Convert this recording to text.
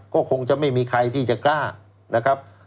ก็คงจะไม่มีใครที่จะกล้านะครับ